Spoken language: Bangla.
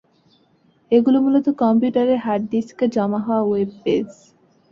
এগুলো মূলত কম্পিউটারের হার্ড ডিস্কে জমা হওয়া ওয়েব পেজ।